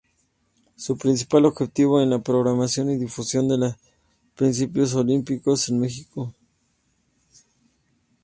Su principal objetivo es la propagación y difusión de los principios olímpicos en África.